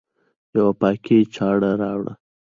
یوه پاکي چاړه راکړئ